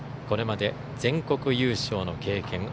これまで全国優勝の経験